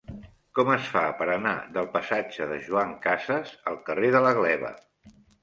Com es fa per anar del passatge de Joan Casas al carrer de la Gleva?